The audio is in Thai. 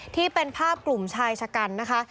ที่เป็นภาพกลุ่มชายชะกันนะคะ